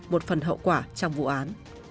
một phần hậu quả trong vụ án